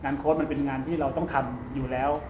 งานโครตเป็นเราน่ามาถามแล้วอยู่แล้ว